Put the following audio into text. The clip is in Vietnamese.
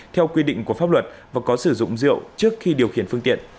theo quy định của pháp luật và có sử dụng rượu trước khi điều khiển phương tiện